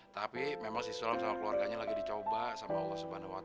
tapi memang si sulam sama keluarganya lagi dicoba sama allah swt